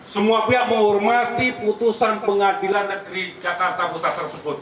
semua pihak menghormati putusan pengadilan negeri jakarta pusat tersebut